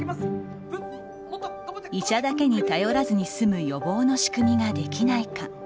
医者だけに頼らずに済む予防の仕組みができないか。